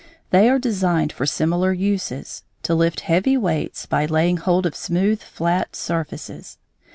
They are designed for similar uses, to lift heavy weights by laying hold of smooth, flat surfaces.